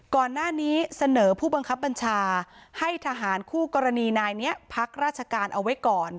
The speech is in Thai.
ก่อนหน้านี้เสนอผู้บังคับบัญชาให้ทหารคู่กรณีนายนี้พักราชการเอาไว้ก่อน